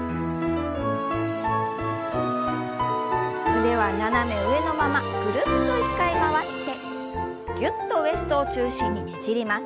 腕は斜め上のままぐるっと１回回ってぎゅっとウエストを中心にねじります。